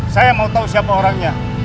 saya mau tahu siapa orangnya